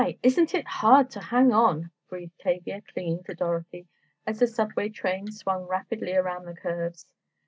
Isn't it hard to hang on!" breathed Tavia, clinging to Dorothy, as the subway train swung rapidly around the curves.